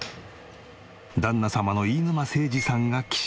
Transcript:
旦那様の飯沼誠司さんが起床。